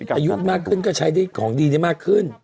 อายุมากขึ้นก็ใช้ได้ของดีได้มากขึ้น